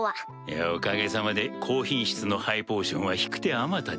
いやおかげさまで高品質のハイポーションは引く手あまたです。